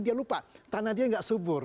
dia lupa tanah dia nggak subur